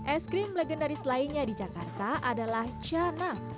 es krim legendaris lainnya di jakarta adalah canang